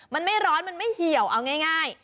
มันไม่ร้อนมันไม่เหี่ยวเอาง่าย